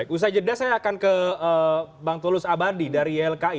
usai jeda saya akan ke bang tulus abadi dari ylki